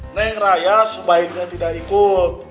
neng raya sebaiknya tidak ikut